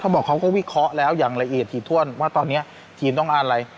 บอกเขาก็วิเคราะห์แล้วอย่างละเอียดถี่ถ้วนว่าตอนนี้ทีมต้องอ่านอะไร